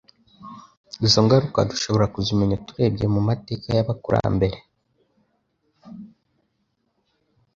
Izo ngaruka dushobora kuzimenya turebye mu mateka y'abakurambere.